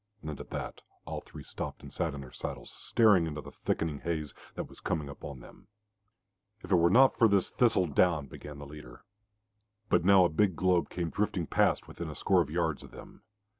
And at that, all three stopped and sat in their saddles, staring into the thickening haze that was coming upon them. "If it were not for this thistle down " began the leader. But now a big globe came drifting past within a score of yards of them.